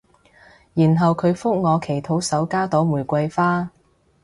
然後佢覆我祈禱手加朵玫瑰花